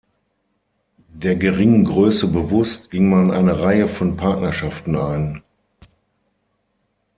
Der geringen Größe bewusst, ging man eine Reihe von Partnerschaften ein.